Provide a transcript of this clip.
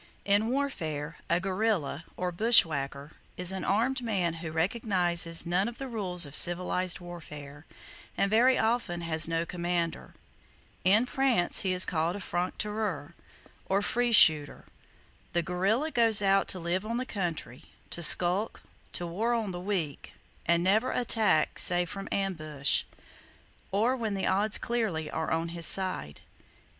In warfare, a guerrilla, or bushwhacker, is an armed man who recognizes none of the rules of civilized warfare, and very often has no commander. In France he is called a "franc tireur," or free shooter. The guerrilla goes out to live on the country, to skulk, to war on the weak, and never attack save from ambush, or when the odds clearly are on his side.